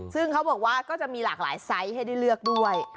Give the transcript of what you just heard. ซึ่งเขาบอกว่าจะมีหลากหลายแบบให้ทางที่เลือกด้วย